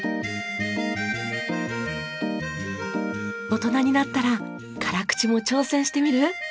大人になったら辛口も挑戦してみる？